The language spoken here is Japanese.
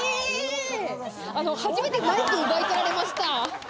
初めてマイクを奪い取られました。